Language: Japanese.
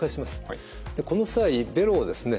この際ベロをですね